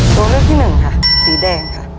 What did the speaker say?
ตัวเลือกที่หนึ่งค่ะสีแดงค่ะ